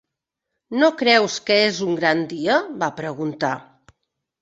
"No creus que és un gran dia?", va preguntar.